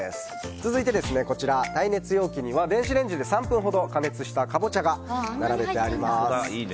続いて、耐熱容器には電子レンジで３分ほど過熱したカボチャが並べてあります。